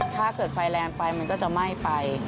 ถ้าเกิดไฟแรงไปมันก็จะไหม้ไป